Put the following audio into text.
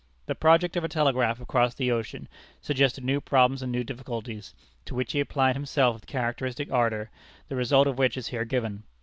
The project of a telegraph across the ocean suggested new problems and new difficulties, to which he applied himself with characteristic ardor, the result of which is here given.